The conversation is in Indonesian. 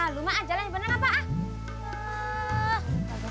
rumah aja lah bener bener